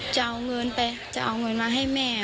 จะเอาเงินไปจะเอาเงินมาให้แม่